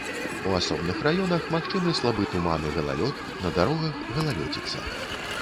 У асобных раёнах магчымы слабы туман і галалёд, на дарогах галалёдзіца.